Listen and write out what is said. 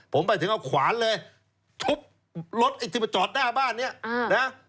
ผมไปถึงเอาขวานเลยทุบรถไอ้ที่มาจอดหน้าบ้านเนี่ยนะ